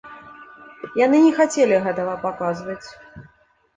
Яны не хацелі гэтага паказваць.